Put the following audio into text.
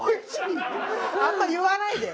あんま言わないで。